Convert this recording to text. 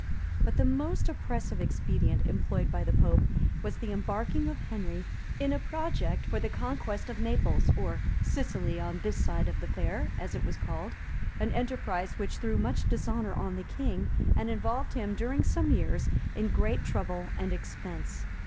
} But the most oppressive expedient employed by the pope, was the embarking of Henry in a project for the conquest of Naples, or Sicily on this side the Fare, as it was called; an enterprise which threw much dishonor on the king, and involved him, during some years, in great trouble and expense.